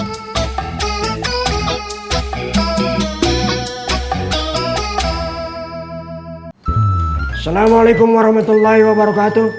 assalamualaikum warahmatullahi wabarakatuh